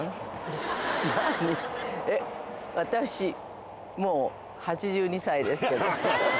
私、もう８２歳ですけど。